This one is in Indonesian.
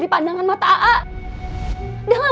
ini jangan allah